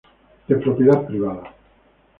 De propiedad privada.